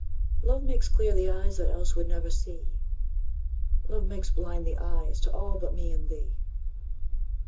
Love makes clear the eyes that else would never see: "Love makes blind the eyes to all but me and thee."